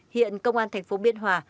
hiện công an thành phố biên hòa